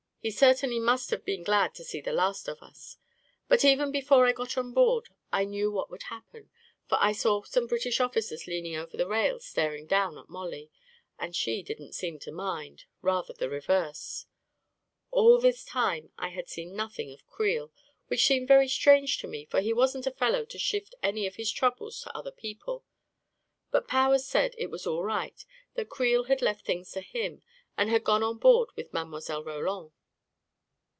He certainly must have been glad to see the last of us 1 But even before I got on board, I knew what would happen, for I saw some British officers lean ing over the rail, staring down at Mollie. And she didn't seem to mind — rather the reverse ... All this time I had seen nothing of Creel, which seemed very strange to me, for he wasn't a fellow to shift any of his troubles to other people; but Powers said it was all right — that Creel had left things to him and had gone on board with Mile. Roland.